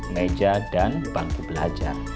meja dan bangku belajar